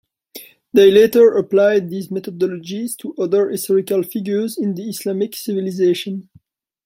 They later applied these methodologies to other historical figures in the Islamic civilization.